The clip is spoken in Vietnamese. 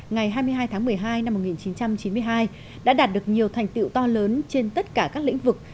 ngày hai mươi hai tháng một mươi hai năm một nghìn chín trăm chín mươi hai đã đạt được nhiều thành tiệu to lớn trên tất cả các lĩnh vực